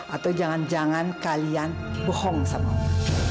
atau jangan jangan kalian bohong sama oma